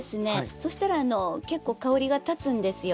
そしたら結構香りがたつんですよ。